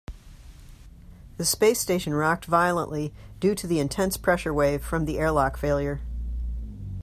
The space station rocked violently due to the intense pressure wave from the airlock failure.